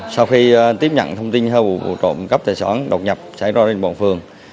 sau khi tiếp nhận thông tin về vụ trộm cắp tài sản đột nhập xảy ra trên bộ phường